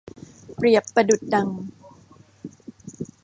เปรียบประดุจดัง